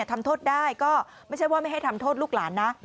ทำโทษได้ก็ไม่ใช่ว่าไม่ให้ทำโทษลูกหลานนะ